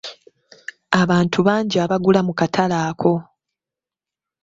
Abantu bangi abagula mu katale ako.